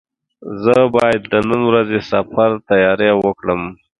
زه باید د نن ورځې د سفر تیاري وکړم.